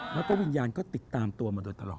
แล้วก็วิญญาณก็ติดตามตัวมาโดยตลอด